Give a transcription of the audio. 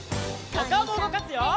おかおもうごかすよ！